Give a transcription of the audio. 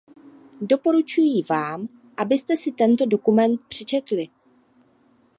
Doporučuji vám, abyste si tento dokument přečetli.